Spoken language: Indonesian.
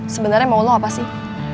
sebenarnya mau lo apa sih